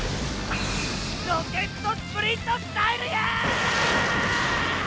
ロケットスプリントスタイルや！